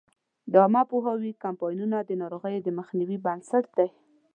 د عامه پوهاوي کمپاینونه د ناروغیو د مخنیوي بنسټ دی.